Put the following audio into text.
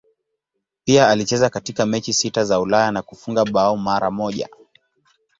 Pia alicheza katika mechi sita za Ulaya na kufunga bao mara moja.